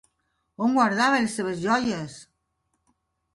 On guardava la seves joies!